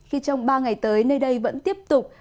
khi trong ba ngày tới nơi đây vẫn tiếp tục